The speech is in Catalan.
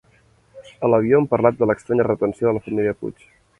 A l'avió han parlat de l'estranya retenció de la família Puig.